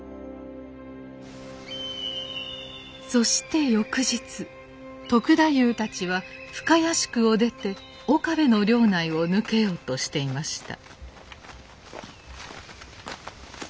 そして翌日篤太夫たちは深谷宿を出て岡部の領内を抜けようとしていました。